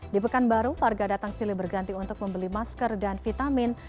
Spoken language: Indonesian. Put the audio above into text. di pekanbaru warga datang silih berganti untuk membeli masker dan vitamin